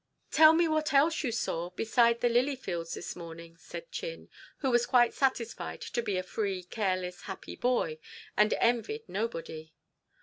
"Tell me what else you saw beside the lily fields this morning," said Chin, who was quite satisfied to be a free, careless, happy boy, and envied nobody.